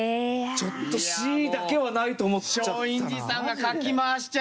ちょっとＣだけはないと思っちゃったな。